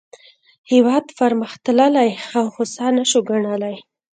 هېواد پرمختللی او هوسا نه شو ګڼلای.